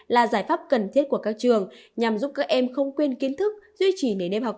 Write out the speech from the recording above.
là giải pháp cần thiết của các trường nhằm giúp các em không quên kiến thức duy trì nền nếp học